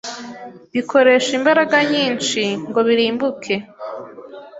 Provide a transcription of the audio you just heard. bikoresha imbaragaa nyinshi ngo birumbuke.